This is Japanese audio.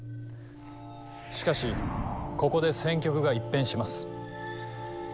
しかしここで戦局が一変します。